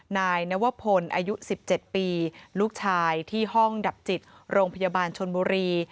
นายนวพลอายุ๑๗ปีลูกชายที่ห้องดับจิตโรงพยาบาลชนบุรี